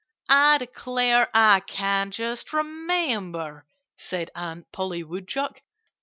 "I declare, I can't just remember," said Aunt Polly Woodchuck.